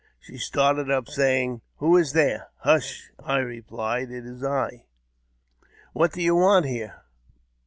She started up, saying, " Who is here ?" "Hush! "I replied; "it is I." " What do you want here